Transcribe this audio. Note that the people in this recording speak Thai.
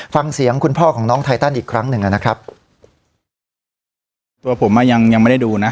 ฟังเสียงคุณพ่อของน้องไทตันอีกครั้งหนึ่งอ่ะนะครับตัวผมอ่ะยังยังไม่ได้ดูนะ